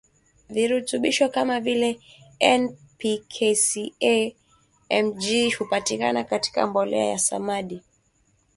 virutubisho kama vile N P K Ca Mg S hupatikana katika mbolea ya samadi